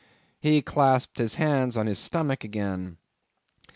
He clasped his hands on his stomach again.